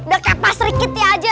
udah kaya pasri kita aja